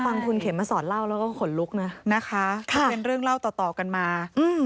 ภังคุณเข็มมาสอนเล่าเราก็ขนลุกนะ